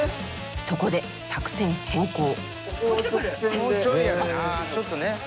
そこで作戦変更。